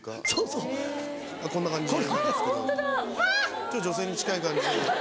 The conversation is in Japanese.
ちょっと女性に近い感じ。